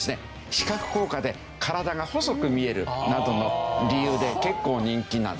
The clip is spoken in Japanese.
視覚効果で体が細く見えるなどの理由で結構人気なんですね。